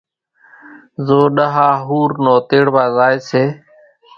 زو ڏۿا ۿور نو تيڙوا زائي سي،